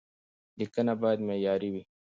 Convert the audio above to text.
لیکنه باید معیاري وي.